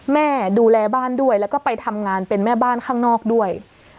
แม่ดูแลบ้านด้วยแล้วก็ไปทำงานเป็นแม่บ้านข้างนอกด้วย